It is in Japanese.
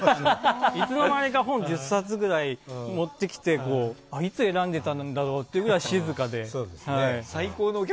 いつの間にか本を１０冊ぐらい持ってきていつ選んでたんだろうというくらい静かで。